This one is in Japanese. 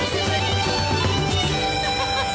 アハハハハ！